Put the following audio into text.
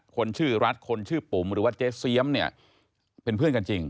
คนชื่อรัฐคนชื่อปุ๋มหรือว่าเจ๊เสียมเนี่ยเป็นเพื่อนกันจริง